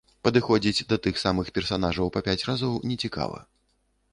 Падыходзіць да тых самых персанажаў па пяць разоў нецікава.